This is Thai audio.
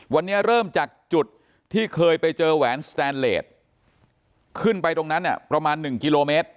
วันนี้เริ่มจากจุดที่เคยไปเจอแหวนสแตนเลสขึ้นไปตรงนั้นเนี่ยประมาณ๑กิโลเมตร